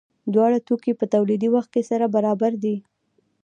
دواړه توکي په تولیدي وخت کې سره برابر دي.